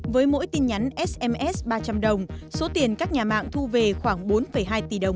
với mỗi tin nhắn sms ba trăm linh đồng số tiền các nhà mạng thu về khoảng bốn hai tỷ đồng